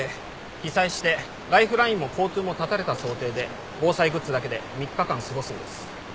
被災してライフラインも交通も断たれた想定で防災グッズだけで３日間過ごすんです。